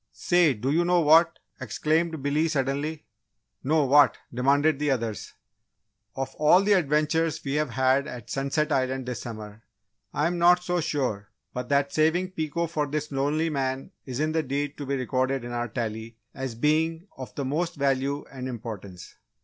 "Say, do you know what?" exclaimed Billy, suddenly. "No, what?" demanded the others. "Of all the adventures we've had at Sunset Island this summer, I'm not so sure but that saving Pico for this lonely man isn't the deed to be recorded in our Tally as being of the most value and importance!"